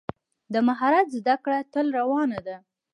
د مهارت زده کړه تل روانه ده.